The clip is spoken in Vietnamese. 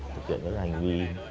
thực hiện các hành vi